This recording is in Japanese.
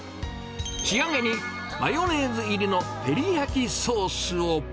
仕上げにマヨネーズ入りのテリヤキソースを。